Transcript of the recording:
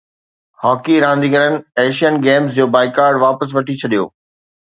hockey رانديگرن Asian Games جو boycott واپس وٺي ڇڏيو